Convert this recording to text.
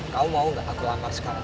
kamu mau gak aku anggar sekarang